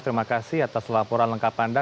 terima kasih atas laporan lengkap anda